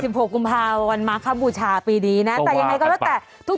สิบหกกุมภาวันมาค่าบูชาปีดีนะแต่ยังไงก็แล้วแต่ต้องว่าอัดปัด